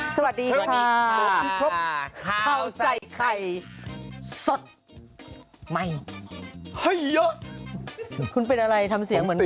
สวัสดีค่ะคุณพบเข้าใส่ไข่สดไหมไฮอะคุณเป็นอะไรทำเสียงเหมือน